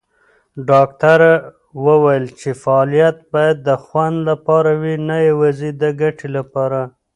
ډاکټره وویل چې فعالیت باید د خوند لپاره وي، نه یوازې د ګټې لپاره.